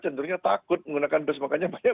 tentunya takut menggunakan bus makanya